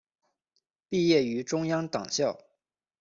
毕业于中央党校。